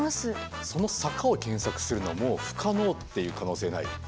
その坂を検索するのはもう不可能っていう可能性ない？